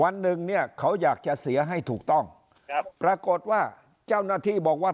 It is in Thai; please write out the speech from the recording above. วันหนึ่งเนี่ยเขาอยากจะเสียให้ถูกต้องครับปรากฏว่าเจ้าหน้าที่บอกว่า